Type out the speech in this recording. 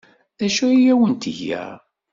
D acu ay awent-tga?